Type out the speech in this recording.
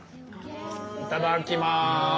いただきます。